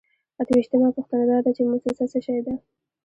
اته ویشتمه پوښتنه دا ده چې موسسه څه شی ده.